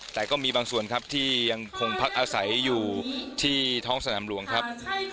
แต่ก็มีบางส่วนครับที่ยังคงพักอาศัยอยู่ที่ท้องสนามหลวงครับ